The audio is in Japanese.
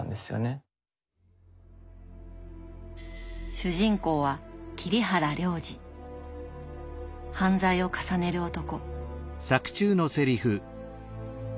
主人公は犯罪を重ねる男。